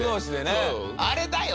「あれだよ！